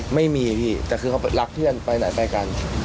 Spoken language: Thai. ไม่มีพี่แต่คือเขารักเพื่อนไปไหนไปกัน